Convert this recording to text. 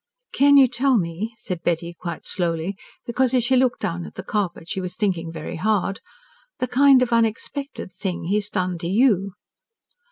"Can you tell me," said Betty quite slowly, because, as she looked down at the carpet, she was thinking very hard, "the kind of unexpected thing he has done to you?"